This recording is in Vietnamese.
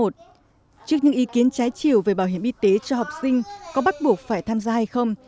trước những ý kiến trái chiều về bảo hiểm y tế cho học sinh có bắt buộc phải tham gia hay không